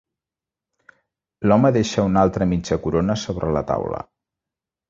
L'home deixa una altra mitja corona sobre la taula.